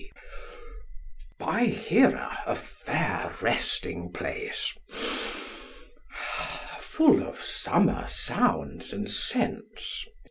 SOCRATES: By Here, a fair resting place, full of summer sounds and scents.